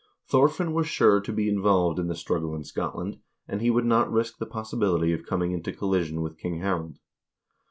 Thorfinn was sure to be involved in the struggle in Scotland, and he would not risk the possibility of coming into collision with King Harald.